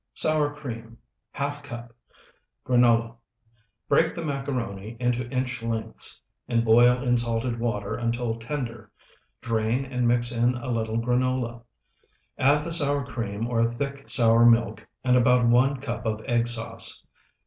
Sour cream, ½ cup. Granola. Break the macaroni into inch lengths and boil in salted water until tender. Drain and mix in a little granola. Add the sour cream or thick sour milk and about one cup of egg sauce.